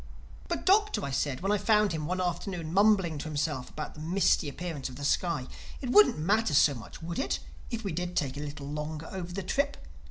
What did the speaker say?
"But Doctor," I said when I found him one afternoon mumbling to himself about the misty appearance of the sky, "it wouldn't matter so much, would it, if we did take a little longer over the trip?